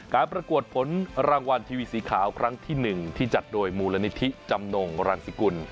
ประกวดผลรางวัลทีวีสีขาวครั้งที่๑ที่จัดโดยมูลนิธิจำนงรังสิกุล